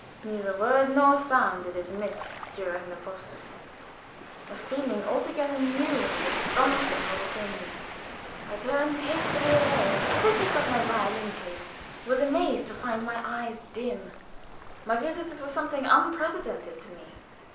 Neither word nor sound did it emit during the process. A feeling altogether new and astonishing overcame me. I turned hastily away, and as I picked up my violin case, was amazed to find my eyes dim. My visitors were something unprecedented to me.